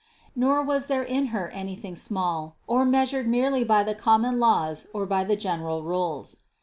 Nor was there in Her anything small, or measured merely by the common laws or by the general rules.